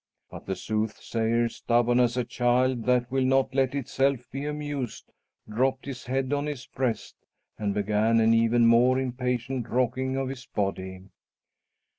But the soothsayer, stubborn as a child that will not let itself be amused, dropped his head on his breast and began an even more impatient rocking of his body.